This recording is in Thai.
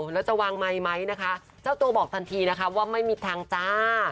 แล้วจะวางไมค์ไหมนะคะเจ้าตัวบอกทันทีนะคะว่าไม่มีทางจ้า